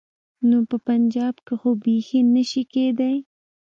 نو په پنجاب کې خو بيخي نه شي کېدای.